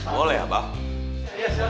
boleh ya bang